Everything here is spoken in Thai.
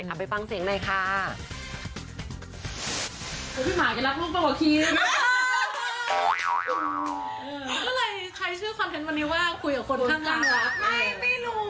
ไม่ไม่รู้